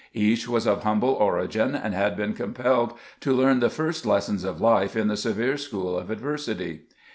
Each was of humble origin, and had been compelled to learn the first lessons of life in the severe school of adversity.